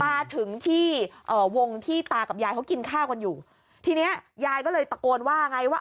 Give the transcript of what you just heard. มาถึงที่เอ่อวงที่ตากับยายเขากินข้าวกันอยู่ทีเนี้ยยายก็เลยตะโกนว่าไงว่า